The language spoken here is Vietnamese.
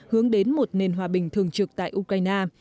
hướng đến một nền hòa bình thường trực tại ukraine